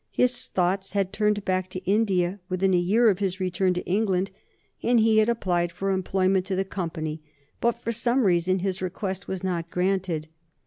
His thoughts had turned back to India within a year of his return to England, and he had applied for employment to the Company, but for some reason his request was not granted.